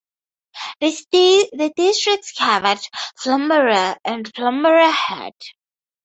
The district covered Flamborough and Flamborough Head.